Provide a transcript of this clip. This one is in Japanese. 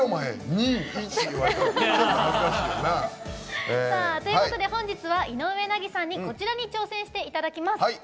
２、１言われたらな。ということで今夜は井上和さんにこちらに挑戦していただきます。